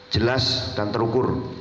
jelas dan terukur